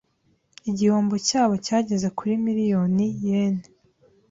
Igihombo cyabo cyageze kuri miliyoni yen .